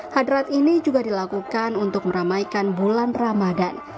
hadrat ini juga dilakukan untuk meramaikan bulan ramadan